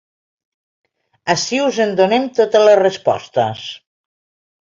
Ací us en donem totes les respostes.